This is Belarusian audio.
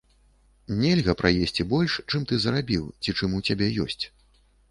Нельга праесці больш, чым ты зарабіў ці чым у цябе ёсць.